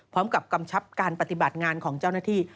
กำชับการปฏิบัติงานของเจ้าหน้าที่